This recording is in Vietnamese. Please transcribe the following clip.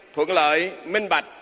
thuận lợi minh bạch